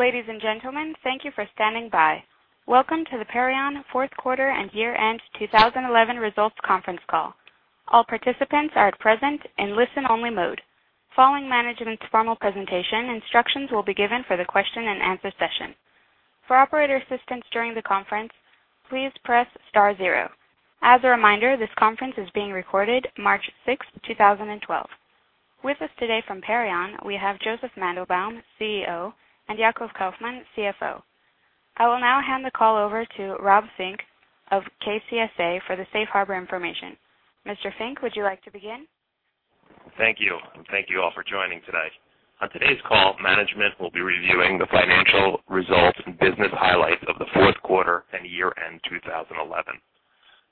Ladies and gentlemen, thank you for standing by. Welcome to the Perion Fourth Quarter and Year-End 2011 Results Conference Call. All participants are at present in listen-only mode. Following management's formal presentation, instructions will be given for the question and answer session. For operator assistance during the conference, please press star zero. As a reminder, this conference is being recorded, March 6th, 2012. With us today from Perion, we have Josef Mandelbaum, CEO, and Yacov Kaufman, CFO. I will now hand the call over to Rob Fink of KCSA for the safe harbor information. Mr. Fink, would you like to begin? Thank you, and thank you all for joining today. On today's call, management will be reviewing the financial results and business highlights of the fourth quarter and year-end 2011.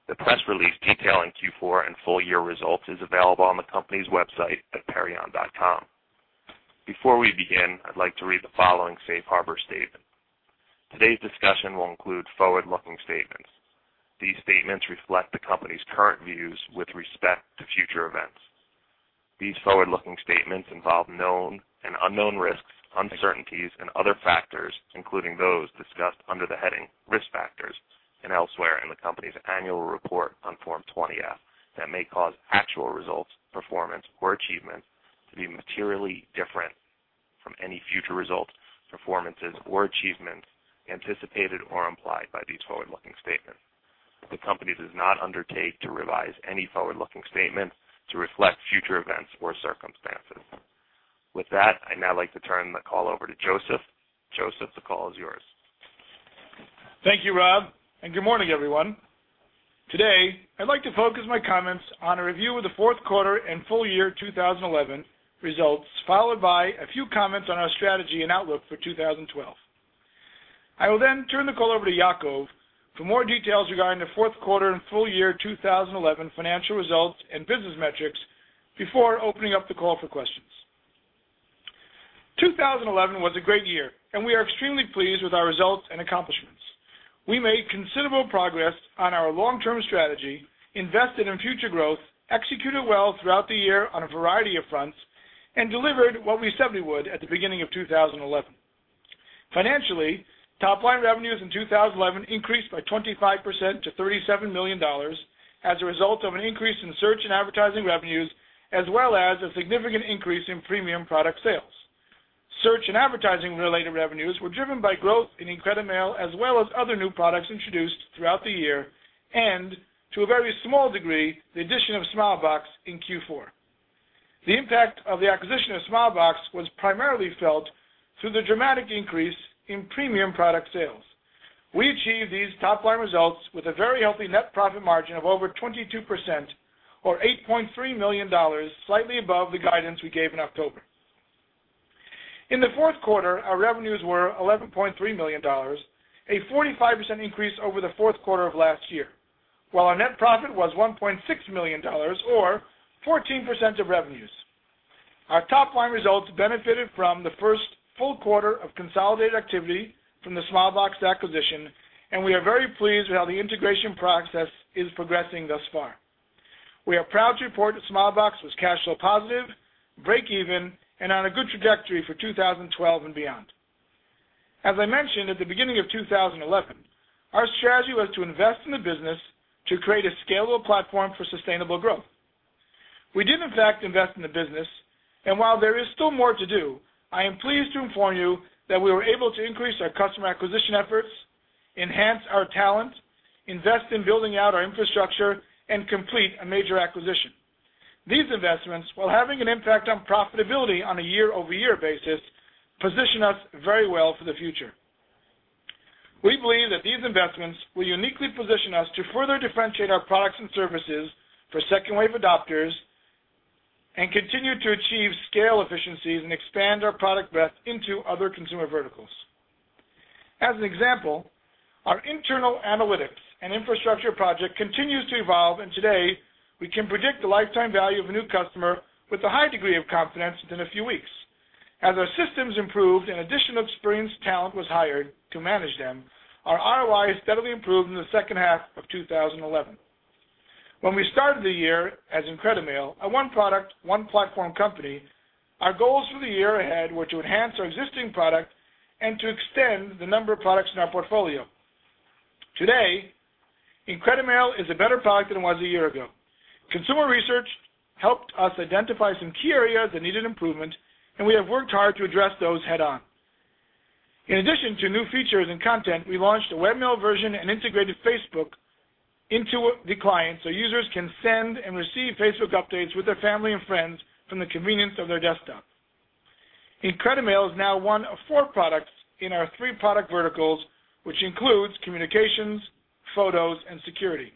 The press release detailing Q4 and full-year results is available on the company's website at perion.com. Before we begin, I'd like to read the following safe harbor statement. Today's discussion will include forward-looking statements. These statements reflect the company's current views with respect to future events. These forward-looking statements involve known and unknown risks, uncertainties, and other factors, including those discussed under the heading "Risk Factors" and elsewhere in the company's annual report on Form 20F that may cause actual results, performance, or achievements to be materially different from any future results, performances, or achievements anticipated or implied by these forward-looking statements. The company does not undertake to revise any forward-looking statement to reflect future events or circumstances. With that, I'd now like to turn the call over to Josef. Josef, the call is yours. Thank you, Rob, and good morning, everyone. Today, I'd like to focus my comments on a review of the fourth quarter and full-year 2011 results, followed by a few comments on our strategy and outlook for 2012. I will then turn the call over to Yacov for more details regarding the fourth quarter and full-year 2011 financial results and business metrics before opening up the call for questions. 2011 was a great year, and we are extremely pleased with our results and accomplishments. We made considerable progress on our long-term strategy, invested in future growth, executed well throughout the year on a variety of fronts, and delivered what we said we would at the beginning of 2011. Financially, top-line revenues in 2011 increased by 25% to $37 million as a result of an increase in search and advertising revenues, as well as a significant increase in premium product sales. Search and advertising-related revenues were driven by growth in IncrediMail, as well as other new products introduced throughout the year, and to a very small degree, the addition of Smilebox in Q4. The impact of the acquisition of Smilebox was primarily felt through the dramatic increase in premium product sales. We achieved these top-line results with a very healthy net profit margin of over 22%, or $8.3 million, slightly above the guidance we gave in October. In the fourth quarter, our revenues were $11.3 million, a 45% increase over the fourth quarter of last year, while our net profit was $1.6 million, or 14% of revenues. Our top-line results benefited from the first full quarter of consolidated activity from the Smilebox acquisition, and we are very pleased with how the integration process is progressing thus far. We are proud to report that Smilebox was cash flow positive, break-even, and on a good trajectory for 2012 and beyond. As I mentioned at the beginning of 2011, our strategy was to invest in the business to create a scalable platform for sustainable growth. We did, in fact, invest in the business, and while there is still more to do, I am pleased to inform you that we were able to increase our customer acquisition efforts, enhance our talent, invest in building out our infrastructure, and complete a major acquisition. These investments, while having an impact on profitability on a year-over-year basis, position us very well for the future. We believe that these investments will uniquely position us to further differentiate our products and services for second-wave adopters and continue to achieve scale efficiencies and expand our product breadth into other consumer verticals. As an example, our internal analytics and infrastructure project continues to evolve, and today we can predict the lifetime value of a new customer with a high degree of confidence within a few weeks. As our systems improved and additional experienced talent was hired to manage them, our ROI steadily improved in the second half of 2011. When we started the year as IncrediMail, a one-product, one-platform company, our goals for the year ahead were to enhance our existing product and to extend the number of products in our portfolio. Today, IncrediMail is a better product than it was a year ago. Consumer research helped us identify some key areas that needed improvement, and we have worked hard to address those head-on. In addition to new features and content, we launched a webmail version and integrated Facebook into the client so users can send and receive Facebook updates with their family and friends from the convenience of their desktop. IncrediMail is now one of four products in our three product verticals, which include communications, photos, and security.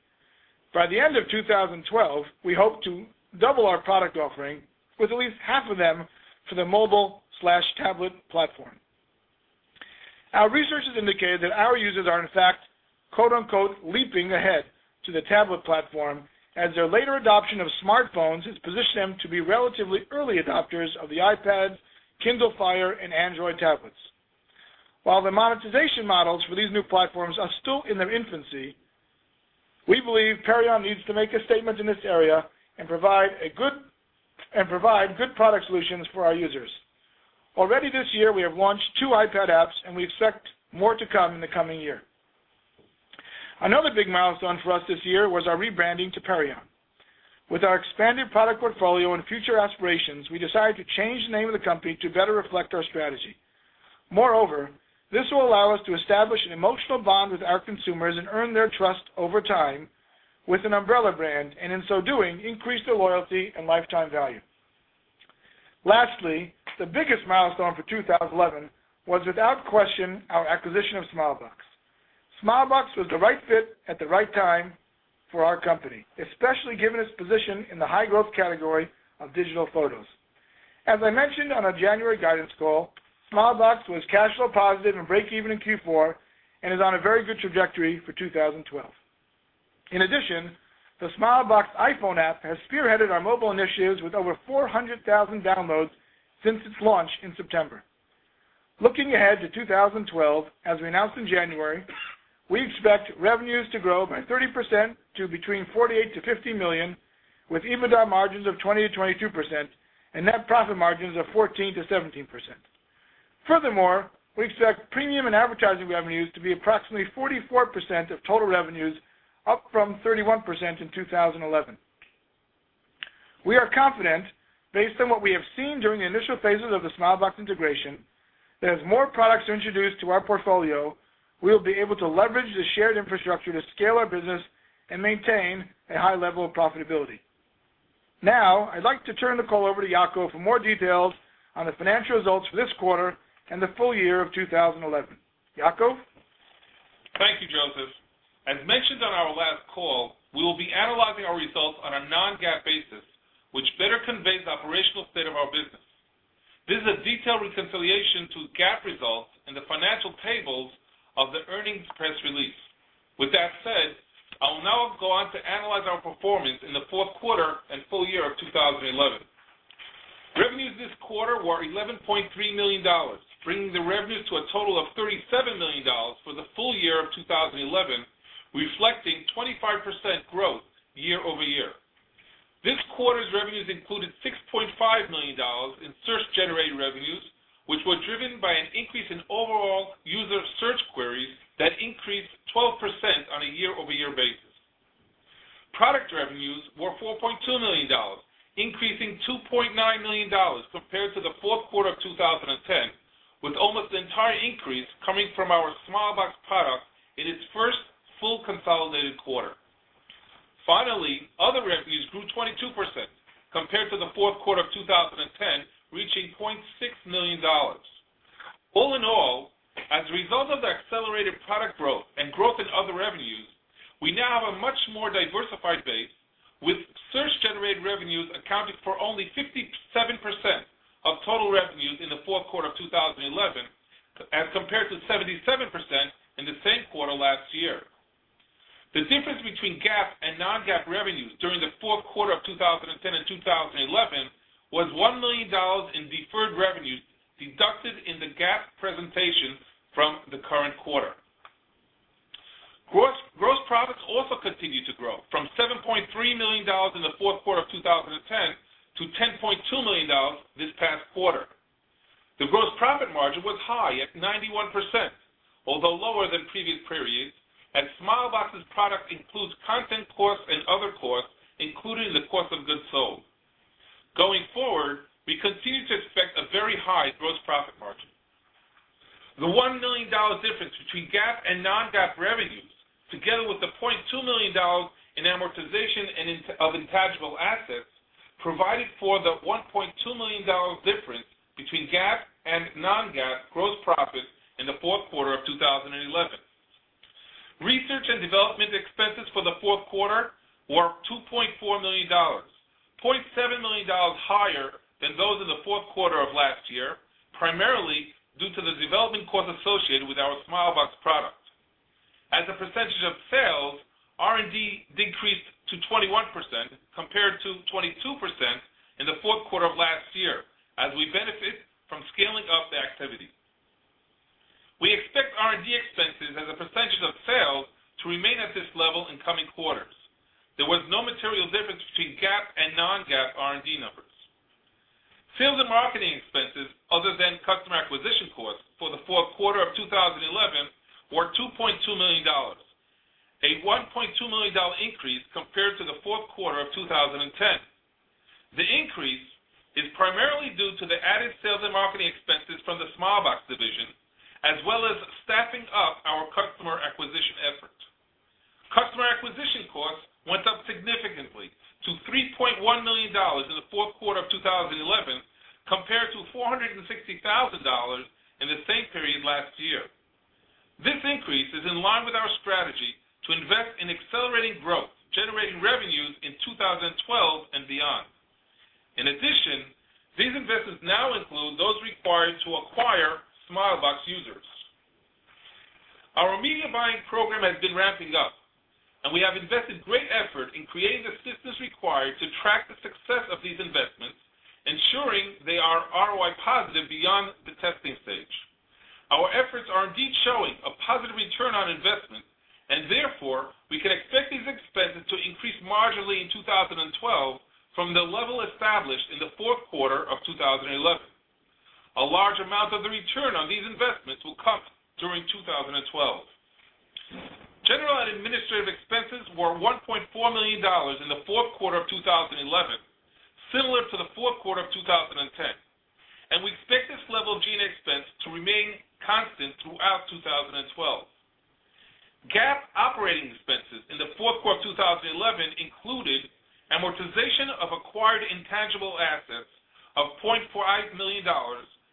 By the end of 2012, we hope to double our product offering with at least half of them for the mobile/tablet platform. Our research has indicated that our users are, in fact, quote-unquote, "leaping ahead" to the tablet platform, as their later adoption of smartphones has positioned them to be relatively early adopters of the iPads, Kindle Fire, and Android tablets. While the monetization models for these new platforms are still in their infancy, we believe Perion needs to make a statement in this area and provide good product solutions for our users. Already this year, we have launched two iPad apps, and we expect more to come in the coming year. Another big milestone for us this year was our rebranding to Perion. With our expanded product portfolio and future aspirations, we decided to change the name of the company to better reflect our strategy. Moreover, this will allow us to establish an emotional bond with our consumers and earn their trust over time with an umbrella brand, and in so doing, increase their loyalty and lifetime value. Lastly, the biggest milestone for 2011 was, without question, our acquisition of Smilebox. Smilebox was the right fit at the right time for our company, especially given its position in the high-growth category of digital photos. As I mentioned on our January guidance call, Smilebox was cash flow positive and break-even in Q4 and is on a very good trajectory for 2012. In addition, the Smilebox iPhone app has spearheaded our mobile initiatives with over 400,000 downloads since its launch in September. Looking ahead to 2012, as we announced in January, we expect revenues to grow by 30% to between $48 million-$50 million, with EBITDA margins of 20%-22% and net profit margins of 14%-17%. Furthermore, we expect premium and advertising revenues to be approximately 44% of total revenues, up from 31% in 2011. We are confident, based on what we have seen during the initial phases of the Smilebox integration, that as more products are introduced to our portfolio, we will be able to leverage the shared infrastructure to scale our business and maintain a high level of profitability. Now, I'd like to turn the call over to Yacov for more details on the financial results for this quarter and the full year of 2011. Yacov? Thank you, Josef. As mentioned on our last call, we will be analyzing our results on a non-GAAP basis, which better conveys the operational state of our business. There is a detailed reconciliation to GAAP results in the financial tables of the earnings press release. With that said, I will now go on to analyze our performance in the fourth quarter and full-year of 2011. Revenues this quarter were $11.3 million, bringing the revenues to a total of $37 million for the full year of 2011, reflecting 25% growth year-over-year. This quarter's revenues included $6.5 million in search-generated revenues, which were driven by an increase in overall user search queries that increased 12% on a year-over-year basis. Product revenues were $4.2 million, increasing $2.9 million compared to the fourth quarter of 2010, with almost an entire increase coming from our Smilebox product in its first full consolidated quarter. Finally, other revenues grew 22% compared to the fourth quarter of 2010, reaching $0.6 million. All in all, as a result of the accelerated product growth and growth in other revenues, we now have a much more diversified base, with search-generated revenues accounting for only 57% of total revenues in the fourth quarter of 2011, as compared to 77% in the same quarter last year. The difference between GAAP and non-GAAP revenues during the fourth quarter of 2010 and 2011 was $1 million in deferred revenues deducted in the GAAP presentation from the current quarter. Gross profits also continued to grow from $7.3 million in the fourth quarter of 2010 to $10.2 million this past quarter. The gross profit margin was high at 91%, although lower than previous periods, as Smilebox's product includes content costs and other costs, including the cost of goods sold. Going forward, we continue to expect a very high gross profit margin. The $1 million difference between GAAP and non-GAAP revenues, together with the $0.2 million in amortization of intangible assets, provided for the $1.2 million difference between GAAP and non-GAAP gross profit in the fourth quarter of 2011. Research and development expenses for the fourth quarter were $2.4 million, $0.7 million higher than those in the fourth quarter of last year, primarily due to the development costs associated with our Smilebox product. As a percentage of sales, R&D decreased to 21% compared to 22% in the fourth quarter of last year, as we benefit from scaling up the activity. We expect R&D expenses as a percentage of sales to remain at this level in coming quarters. There was no material difference between GAAP and non-GAAP R&D numbers. Sales and marketing expenses, other than customer acquisition costs, for the fourth quarter of 2011 were $2.2 million, a $1.2 million increase compared to the fourth quarter of 2010. The increase is primarily due to the added sales and marketing expenses from the Smilebox division, as well as staffing up our customer acquisition effort. Customer acquisition costs went up significantly to $3.1 million in the fourth quarter of 2011 compared to $460,000 in the same period last year. This increase is in line with our strategy to invest in accelerating growth, generating revenues in 2012 and beyond. In addition, these investments now include those required to acquire Smilebox users. Our media buying program has been ramping up, and we have invested great effort in creating the systems required to track the success of these investments, ensuring they are ROI positive beyond the testing stage. Our efforts are indeed showing a positive return on investment, and therefore, we can expect these expenses to increase marginally in 2012 from the level established in the fourth quarter of 2011. A large amount of the return on these investments will come during 2012. General and administrative expenses were $1.4 million in the fourth quarter of 2011, similar to the fourth quarter of 2010, and we expect this level of G&A expense to remain constant throughout 2012. GAAP operating expenses in the fourth quarter of 2011 included amortization of acquired intangible assets of $0.5 million,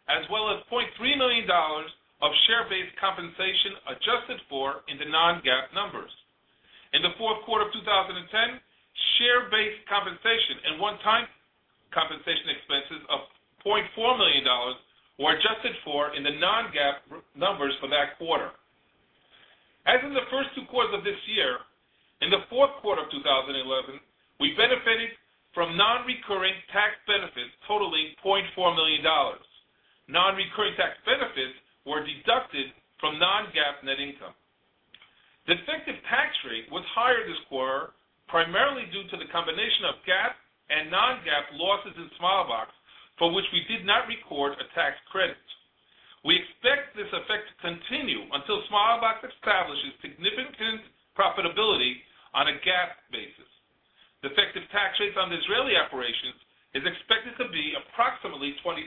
as well as $0.3 million of share-based compensation adjusted for in the non-GAAP numbers. In the fourth quarter of 2010, share-based compensation and one-time compensation expenses of $0.4 million were adjusted for in the non-GAAP numbers for that quarter. As in the first two quarters of this year, in the fourth quarter of 2011, we benefited from non-recurring tax benefits totaling $0.4 million. Non-recurring tax benefits were deducted from non-GAAP net income. The effective tax rate was higher this quarter, primarily due to the combination of GAAP and non-GAAP losses in Smilebox, for which we did not record a tax credit. We expect this effect to continue until Smilebox establishes significant profitability on a GAAP basis. The effective tax rate on the Israeli operations is expected to be approximately 20%.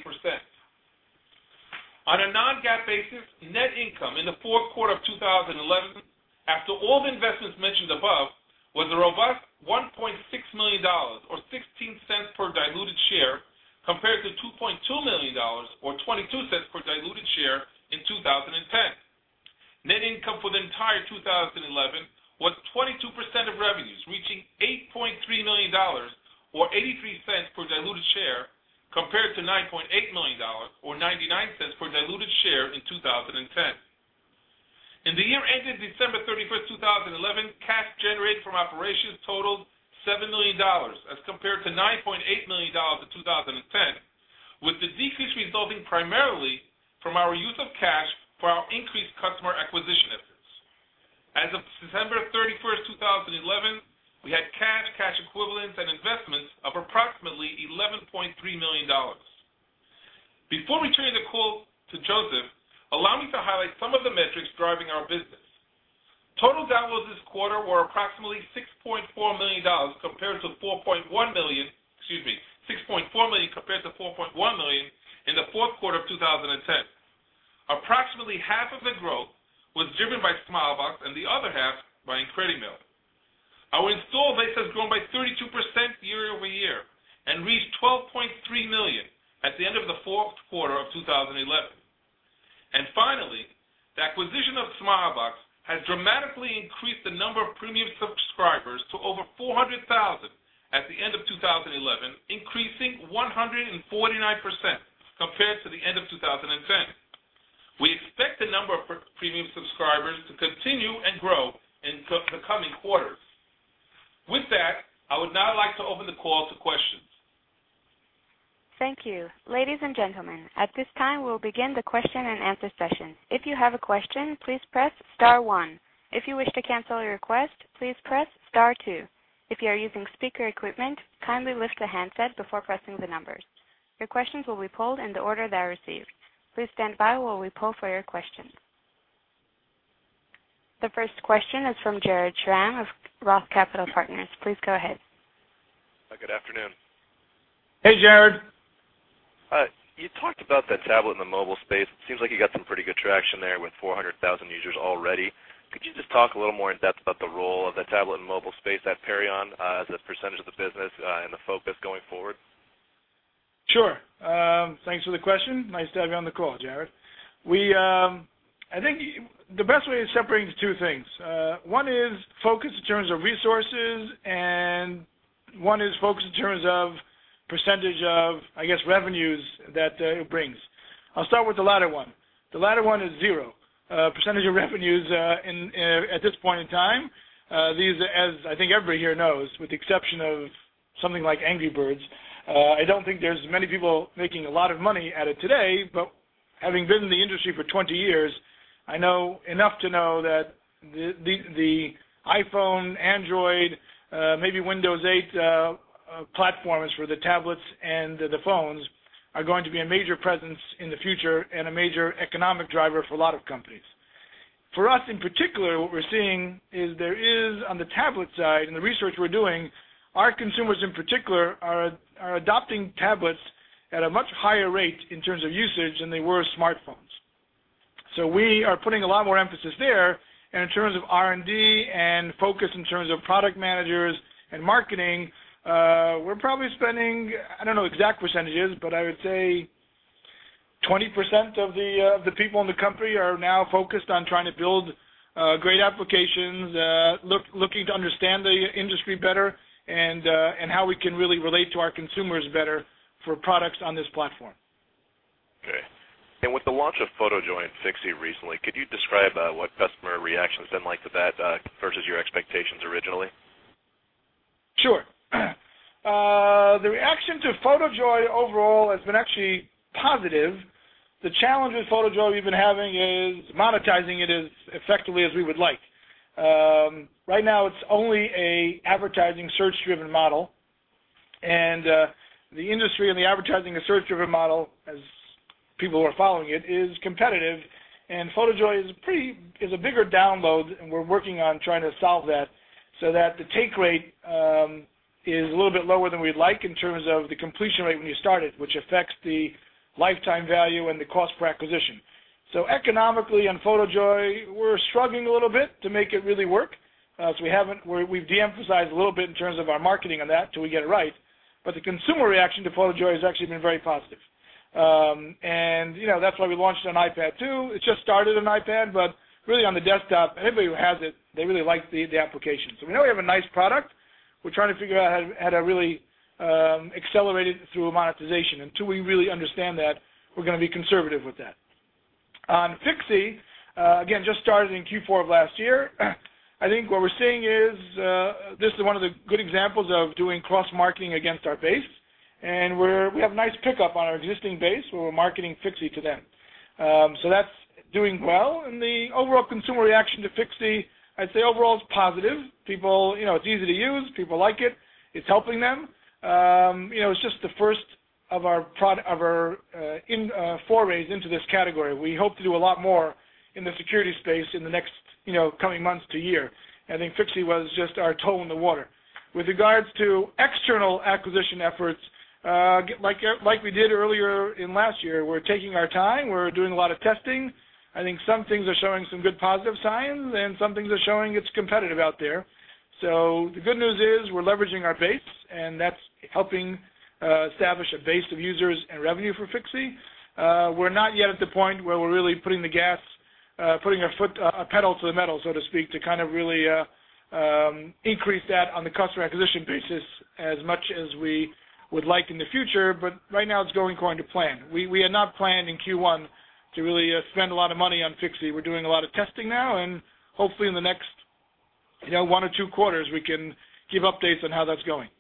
On a non-GAAP basis, net income in the fourth quarter of 2011, after all the investments mentioned above, was a robust $1.6 million, or $0.16 per diluted share, compared to $2.2 million, or $0.22 per diluted share in 2010. Net income for the entire 2011 was 22% of revenues, reaching $8.3 million, or $0.83 per diluted share, compared to $9.8 million, or $0.99 per diluted share in 2010. In the year ended December 31st, 2011, cash generated from operations totaled $7 million, as compared to $9.8 million in 2010, with the decrease resulting primarily from our use of cash for our increased customer acquisition efforts. As of December 31, 2011, we had cash, cash equivalents, and investments of approximately $11.3 million. Before returning the call to Josef, allow me to highlight some of the metrics driving our business. Total downloads this quarter were approximately $6.4 million compared to $4.1 million in the fourth quarter of 2010. Approximately half of the growth was driven by Smilebox and the other half by IncrediMail. Our installed base has grown by 32% year-over-year and reached $12.3 million at the end of the fourth quarter of 2011. The acquisition of Smilebox has dramatically increased the number of premium subscribers to over 400,000 at the end of 2011, increasing 149% compared to the end of 2010. We expect the number of premium subscribers to continue to grow in the coming quarters. With that, I would now like to open the call to questions. Thank you. Ladies and gentlemen, at this time, we will begin the question and answer session. If you have a question, please press star one. If you wish to cancel your request, please press star two. If you are using speaker equipment, kindly lift the handset before pressing the numbers. Your questions will be pulled in the order they are received. Please stand by while we pull for your questions. The first question is from Jared Schram of Roth Capital Partners. Please go ahead. Good afternoon. Hey, Jared. Hi. You talked about that tablet in the mobile space. It seems like you got some pretty good traction there with 400,000 users already. Could you just talk a little more in depth about the role of that tablet in the mobile space at Perion as a percentage of the business and the focus going forward? Sure. Thanks for the question. Nice to have you on the call, Jared. I think the best way is separating the two things. One is focus in terms of resources, and one is focus in terms of percentage of, I guess, revenues that it brings. I'll start with the latter one. The latter one is zero. Percentage of revenues at this point in time, these, as I think everybody here knows, with the exception of something like Angry Birds, I don't think there's many people making a lot of money at it today. Having been in the industry for 20 years, I know enough to know that the iPhone, Android, maybe Windows 8 platforms for the tablets and the phones are going to be a major presence in the future and a major economic driver for a lot of companies. For us in particular, what we're seeing is there is, on the tablet side and the research we're doing, our consumers in particular are adopting tablets at a much higher rate in terms of usage than they were smartphones. We are putting a lot more emphasis there. In terms of R&D and focus in terms of product managers and marketing, we're probably spending, I don't know exact percentages, but I would say 20% of the people in the company are now focused on trying to build great applications, looking to understand the industry better and how we can really relate to our consumers better for products on this platform. With the launch of PhotoJoy and Fixie recently, could you describe what customer reaction's been like to that versus your expectations originally? Sure. The reaction to PhotoJoy overall has been actually positive. The challenge with PhotoJoy we've been having is monetizing it as effectively as we would like. Right now, it's only an advertising search-driven model. The industry and the advertising and search-driven model, as people who are following it, is competitive. PhotoJoy is a bigger download, and we're working on trying to solve that so that the take rate is a little bit lower than we'd like in terms of the completion rate when you start it, which affects the lifetime value and the cost per acquisition. Economically, on PhotoJoy, we're struggling a little bit to make it really work. We've deemphasized a little bit in terms of our marketing on that until we get it right. The consumer reaction to PhotoJoy has actually been very positive. That's why we launched on iPad too. It's just started on iPad, but really on the desktop, anybody who has it, they really like the application. We know we have a nice product. We're trying to figure out how to really accelerate it through monetization. Until we really understand that, we're going to be conservative with that. On Fixie, again, just started in Q4 of last year. I think what we're seeing is this is one of the good examples of doing cross-marketing against our base. We have a nice pickup on our existing base where we're marketing Fixie to them. That's doing well. The overall consumer reaction to Fixie, I'd say overall it's positive. People, you know, it's easy to use. People like it. It's helping them. It's just the first of our forays into this category. We hope to do a lot more in the security space in the next coming months to year. I think Fixie was just our toe in the water. With regards to external acquisition efforts, like we did earlier in last year, we're taking our time. We're doing a lot of testing. I think some things are showing some good positive signs, and some things are showing it's competitive out there. The good news is we're leveraging our base, and that's helping establish a base of users and revenue for Fixie. We're not yet at the point where we're really putting the gas, putting a foot, a pedal to the metal, so to speak, to kind of really increase that on the customer acquisition basis as much as we would like in the future. Right now, it's going according to plan. We had not planned in Q1 to really spend a lot of money on Fixie. We're doing a lot of testing now. Hopefully, in the next one or two quarters, we can give updates on how that's going.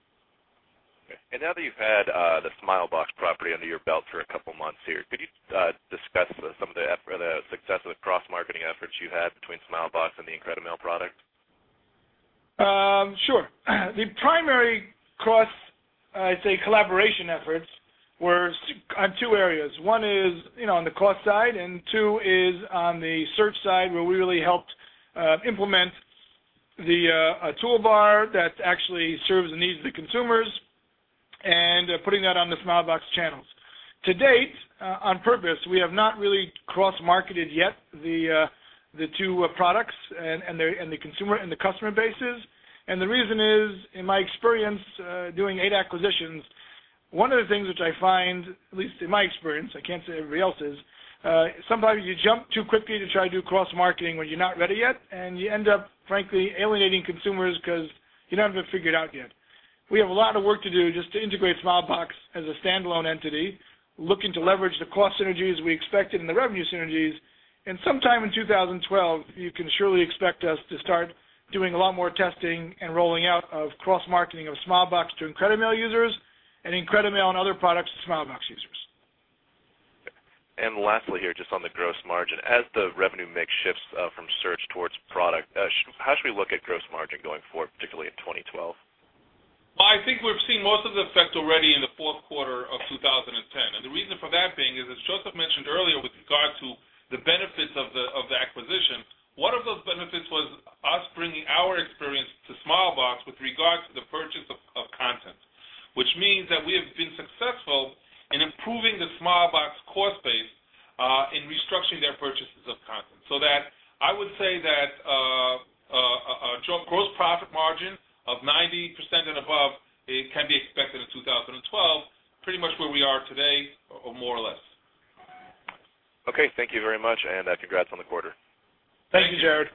Okay. Now that you've had the Smilebox property under your belt for a couple of months, could you discuss some of the success of the cross-marketing efforts you had between Smilebox and the IncrediMail product? Sure. The primary cross, I'd say, collaboration efforts were on two areas. One is on the cost side, and two is on the search side, where we really helped implement a toolbar that actually serves the needs of the consumers and putting that on the Smilebox channels. To date, on purpose, we have not really cross-marketed yet the two products and the consumer and the customer bases. The reason is, in my experience doing eight acquisitions, one of the things which I find, at least in my experience, I can't say everybody else's, sometimes you jump too quickly to try to do cross-marketing when you're not ready yet, and you end up, frankly, alienating consumers because you're not even figured out yet. We have a lot of work to do just to integrate Smilebox as a standalone entity, looking to leverage the cost synergies we expect in the revenue synergies. Sometime in 2012, you can surely expect us to start doing a lot more testing and rolling out of cross-marketing of Smilebox to IncrediMail users and IncrediMail and other products to Smilebox users. Lastly, just on the gross margin, as the revenue mix shifts from search towards product, how should we look at gross margin going forward, particularly in 2012? I think we've seen most of the effect already in the fourth quarter of 2010. The reason for that being is, as Josef mentioned earlier, with regard to the benefits of the acquisition, one of those benefits was us bringing our experience to Smilebox with regard to the purchase of content, which means that we have been successful in improving the Smilebox cost base in restructuring their purchases of content. I would say that a gross profit margin of 90% and above can be expected in 2012, pretty much where we are today, or more or less. Okay, thank you very much, and congrats on the quarter. Thank you, Jared.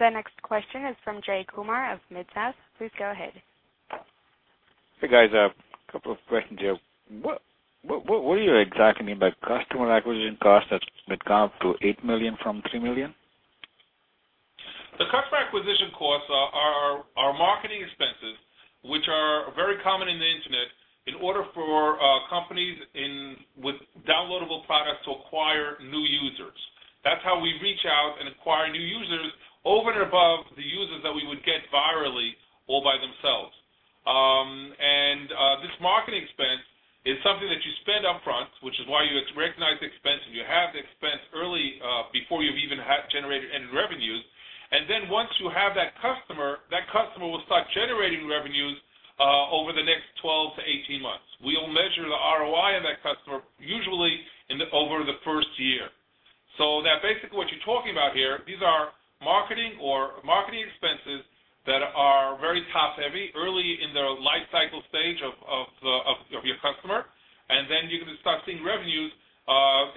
The next question is from Jay Kumar of Midsouth. Please go ahead. Hey, guys. A couple of questions here. What do you exactly mean by customer acquisition costs that went up to $8 million from $3 million? The customer acquisition costs are our marketing expenses, which are very common in the Internet in order for companies with downloadable products to acquire new users. That's how we reach out and acquire new users over and above the users that we would get virally or by themselves. This marketing expense is something that you spend upfront, which is why you recognize the expense, and you have the expense early before you've even generated any revenues. Once you have that customer, that customer will start generating revenues over the next 12-18 months. We will measure the ROI on that customer usually over the first year. Basically what you're talking about here, these are marketing or marketing expenses that are very top-heavy early in the life cycle stage of your customer, and you're going to start seeing revenues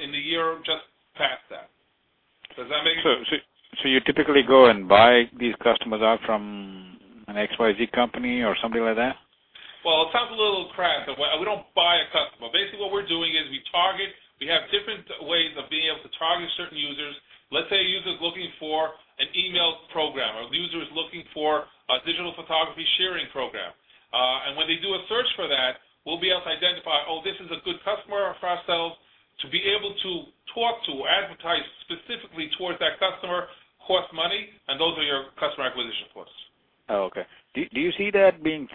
in the year just past that. Does that make sense? Do you typically go and buy these customers out from an XYZ company or something like that? It sounds a little crass, but we don't buy a customer. Basically, what we're doing is we target, we have different ways of being able to target certain users. Let's say a user is looking for an email program, or a user is looking for a digital photography sharing program. When they do a search for that, we'll be able to identify, oh, this is a good customer for ourselves. To be able to talk to or advertise specifically towards that customer costs money, and those are your customer acquisition costs. Okay. Do you see that being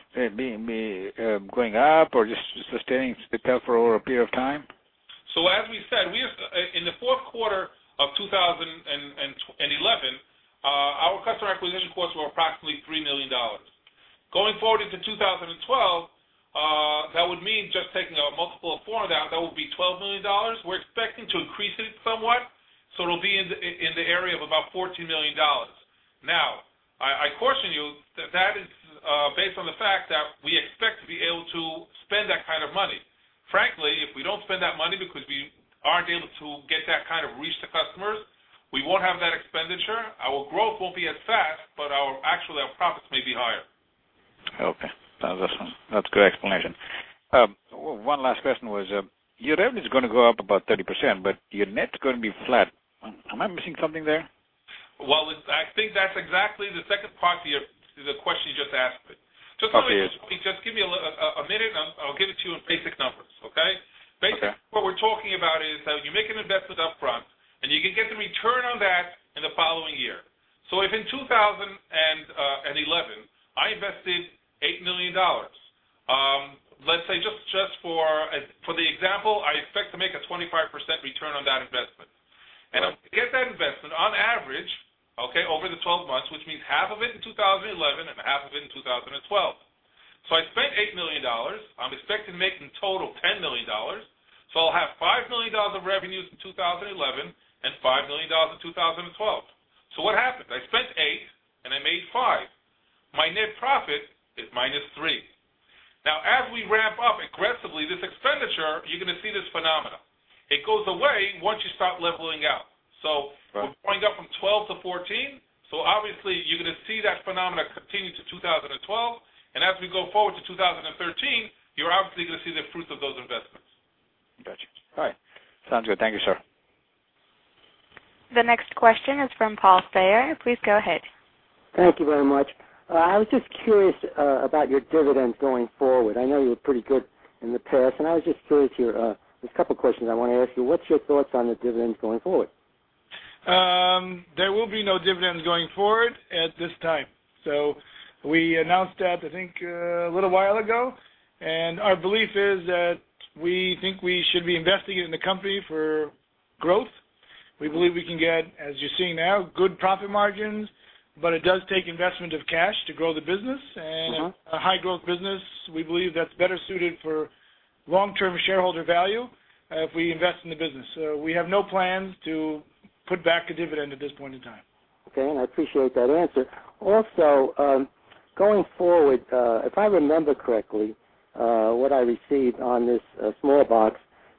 going up or just sustaining itself for a period of time? As we said, in the fourth quarter of 2011, our customer acquisition costs were approximately $3 million. Going forward into 2012, that would mean just taking a multiple of four down, that would be $12 million. We're expecting to increase it somewhat, so it'll be in the area of about $14 million. I caution you that that is based on the fact that we expect to be able to spend that kind of money. Frankly, if we don't spend that money because we aren't able to get that kind of reach to customers, we won't have that expenditure. Our growth won't be as fast, but actually, our profits may be higher. Okay. That's a good explanation. One last question was, your revenue is going to go up about 30%, but your net is going to be flat. Am I missing something there? I think that's exactly the second part to the question you just asked me. Copy it. Just give me a minute, and I'll give it to you, a basic number, okay? Basically, what we're talking about is that you make an investment upfront, and you can get the return on that in the following year. If in 2011, I invested $8 million, let's say just for the example, I expect to make a 25% return on that investment. I'm going to get that investment on average, okay, over the 12 months, which means half of it in 2011 and half of it in 2012. I spent $8 million. I'm expecting to make in total $10 million. I'll have $5 million of revenues in 2011 and $5 million in 2012. What happened? I spent $8 million, and I made $5 million. My net profit is -$3 million. As we ramp up aggressively, this expenditure, you're going to see this phenomenon. It goes away once you start leveling out. We're going up from $12 million to $14 million. Obviously, you're going to see that phenomenon continue to 2012. As we go forward to 2013, you're obviously going to see the fruits of those investments. Gotcha. All right. Sounds good. Thank you, sir. The next question is from Paul Sayer. Please go ahead. Thank you very much. I was just curious about your dividends going forward. I know you were pretty good in the past, and I was just curious. There's a couple of questions I want to ask you. What's your thoughts on the dividends going forward? There will be no dividends going forward at this time. We announced that, I think, a little while ago. Our belief is that we think we should be investing in the company for growth. We believe we can get, as you're seeing now, good profit margins, but it does take investment of cash to grow the business. A high-growth business, we believe that's better suited for long-term shareholder value if we invest in the business. We have no plans to put back a dividend at this point in time. Okay. I appreciate that answer. Also, going forward, if I remember correctly, what I received on this Smilebox,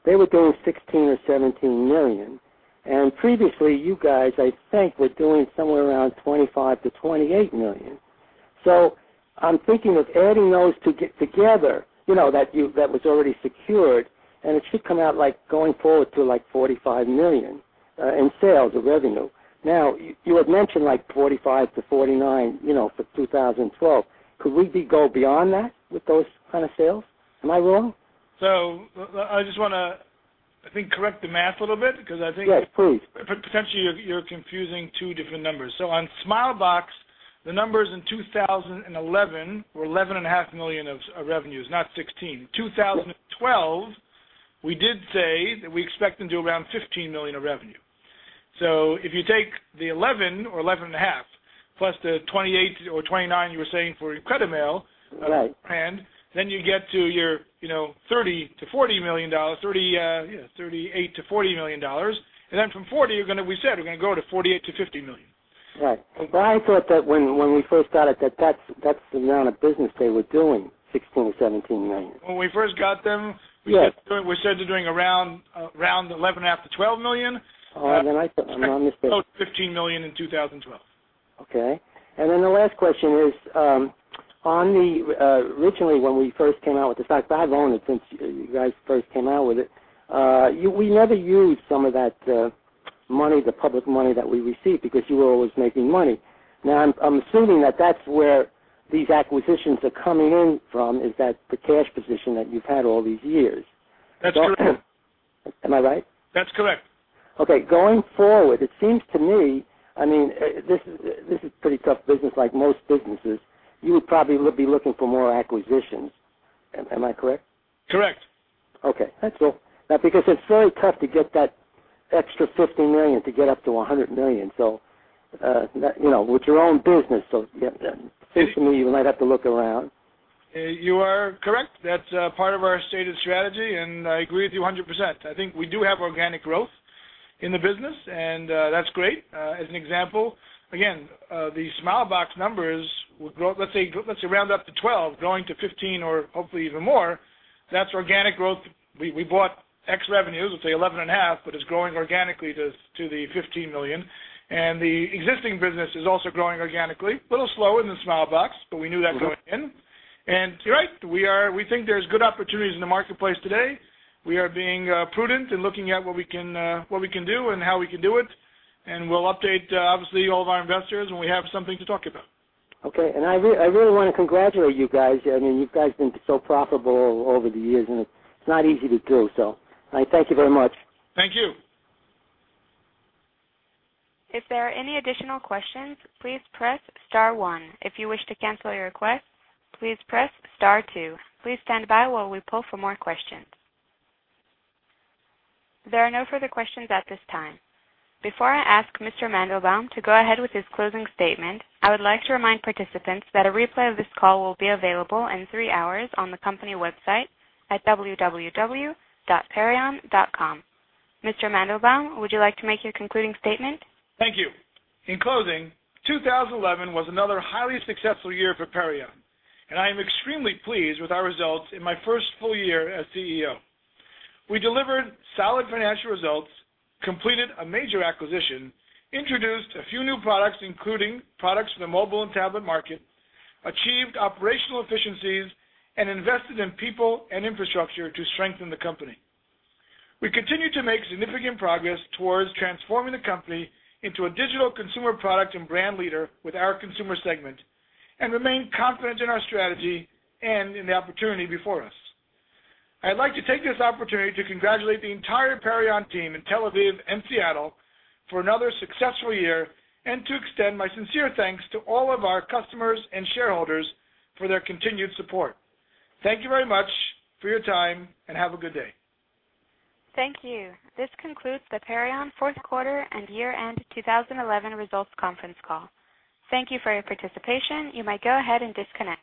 they were doing $16 million or $17 million. Previously, you guys, I think, were doing somewhere around $25 million-$28 million. I'm thinking of adding those two together, you know, that was already secured, and it should come out going forward to like $45 million in sales or revenue. You had mentioned like $45 million-$49 million for 2012. Could we go beyond that with those kind of sales? Am I wrong? I just want to, I think, correct the math a little bit because I think. Yes, please. Potentially, you're confusing two different numbers. On Smilebox, the numbers in 2011 were $11.5 million of revenues, not $16 million. In 2012, we did say that we expect them to do around $15 million of revenue. If you take the $11 million or $11.5 million plus the $28 million or $29 million you were saying for IncrediMail, then you get to your $38 million-$40 million. From $40 million, we said we're going to go to $48 million-$50 million. Right. I thought that when we first got it, that's the amount of business they were doing, $16 million or $17 million. When we first got them, we said they're doing around $11.5 million-$12 million. Oh, I put them on this list. $15 million in 2012. Okay. The last question is, originally, when we first came out with the stock, I've owned it since you guys first came out with it. We never used some of that money, the public money that we received because you were always making money. Now, I'm assuming that's where these acquisitions are coming in from, is that the cash position that you've had all these years. That's all it is. Am I right? That's correct. Okay. Going forward, it seems to me this is a pretty tough business, like most businesses. You would probably be looking for more acquisitions. Am I correct? Correct. Okay, that's cool. It's very tough to get that extra $15 million to get up to $100 million. With your own business, it seems to me you might have to look around. You are correct. That's part of our stated strategy, and I agree with you 100%. I think we do have organic growth in the business, and that's great. As an example, the Smilebox numbers would grow, let's say, round up to $12 million, growing to $15 million or hopefully even more. That's organic growth. We bought X revenues, let's say $11.5 million, but it's growing organically to the $15 million. The existing business is also growing organically, a little slower than Smilebox, but we knew that going in. You're right. We think there's good opportunities in the marketplace today. We are being prudent in looking at what we can do and how we can do it. We'll update, obviously, all of our investors when we have something to talk about. Okay. I really want to congratulate you guys. I mean, you guys have been so profitable over the years, and it's not easy to do. I thank you very much. Thank you. If there are any additional questions, please press star one. If you wish to cancel your request, please press star two. Please stand by while we pull for more questions. There are no further questions at this time. Before I ask Mr. Mandelbaum to go ahead with his closing statement, I would like to remind participants that a replay of this call will be available in three hours on the company website at www.perion.com. Mr. Mandelbaum, would you like to make your concluding statement? Thank you. In closing, 2011 was another highly successful year for Perion, and I am extremely pleased with our results in my first full year as CEO. We delivered solid financial results, completed a major acquisition, introduced a few new products, including products for the mobile and tablet market, achieved operational efficiencies, and invested in people and infrastructure to strengthen the company. We continue to make significant progress towards transforming the company into a digital consumer product and brand leader with our consumer segment and remain confident in our strategy and in the opportunity before us. I'd like to take this opportunity to congratulate the entire Perion team in Tel Aviv and Seattle for another successful year and to extend my sincere thanks to all of our customers and shareholders for their continued support. Thank you very much for your time, and have a good day. Thank you. This concludes the Perion Fourth Quarter and Year-End 2011 Results Conference Call. Thank you for your participation. You may go ahead and disconnect.